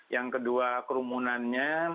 yang kedua kerumunannya